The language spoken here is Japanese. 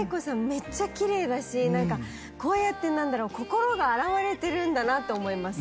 めっちゃきれいだしこうやってなんだろう心が洗われてるんだなって思います